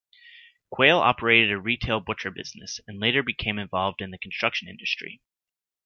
Quayle operated a retail butcher business, and later became involved in the construction industry.